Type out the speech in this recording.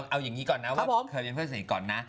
เอาอย่างนี้ก่อนนะว่าเคยเป็นเพื่อนสนิทก่อนนะ